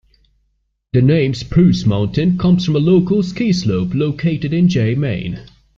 The name "Spruce Mountain" comes from a local ski slope, located in Jay Maine.